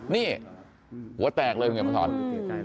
นี่หัวแตกเลยพี่ผู้หญิงพังธรรม